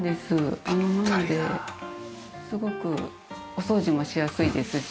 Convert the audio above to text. なのですごくお掃除もしやすいですし。